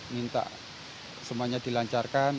minta semuanya dilancarkan